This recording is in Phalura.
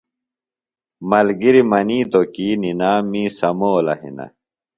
ملگِری منِیتوۡ کی نِنام می سمولہ ہِنہ۔